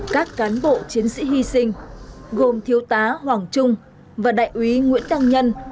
các cán bộ chiến sĩ hy sinh gồm thiếu tá hoàng trung và đại úy nguyễn tăng nhân